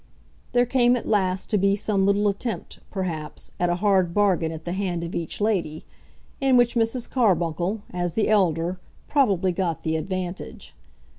There came at last to be some little attempt, perhaps, at a hard bargain at the hand of each lady, in which Mrs. Carbuncle, as the elder, probably got the advantage.